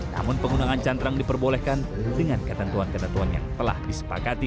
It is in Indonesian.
namun penggunaan cantrang diperbolehkan dengan ketentuan ketentuan yang telah disepakati